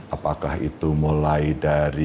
apakah itu mulai dari